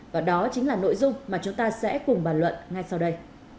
và đó chính là nội dung mà chúng ta sẽ cùng bàn luận ngay sau đây